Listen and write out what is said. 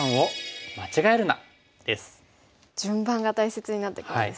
順番が大切になってくるんですね。